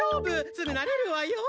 すぐなれるわよ！